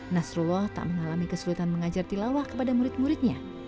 nasrullah tak mengalami kesulitan mengajar tilawah kepada murid muridnya